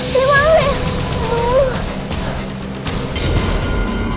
sampai jumpa lagi